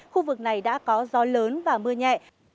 khu vực này đã có gió lớn và mưa nhẹ